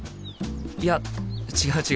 いや違う違う。